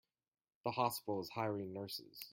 The hospital is hiring nurses.